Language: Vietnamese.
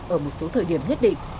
ở một số thời điểm nhất định